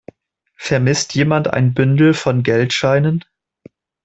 Vermisst jemand ein Bündel von Geldscheinen?